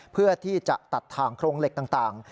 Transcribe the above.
เพื่อที่จะตัดถ่างโครงเหล็กต่าง